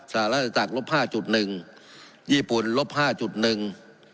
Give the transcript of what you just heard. สหรัฐอาติศักดิ์ลบห้าจุดหนึ่งญี่ปุ่นรบห้าจุดหนึ่ง